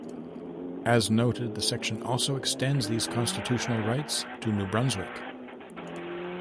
As noted, the section also extends these constitutional rights to New Brunswick.